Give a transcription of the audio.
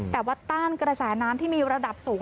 แต่ว่าต้านกระแสน้ำที่มีระดับสูง